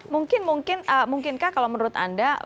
mungkin mungkin mungkin kak kalau menurut anda